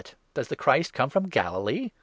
does the Christ come from Galilee ?